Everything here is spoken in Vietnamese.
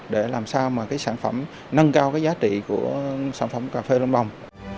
để làm sao mà cái sản phẩm nâng cao cái giá trị của sản phẩm cà phê lâm đồng